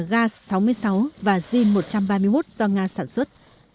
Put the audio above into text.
gas sáu mươi sáu và jin một trăm ba mươi một do nga sản xuất